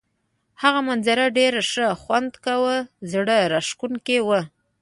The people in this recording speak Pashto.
هغه منظره ډېر ښه خوند کاوه، زړه راښکونکې وه.